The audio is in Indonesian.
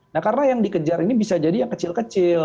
nah karena yang dikejar ini bisa jadi yang kecil kecil